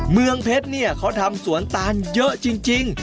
เมืองเพชรเนี่ยเขาทำสวนตาลเยอะจริง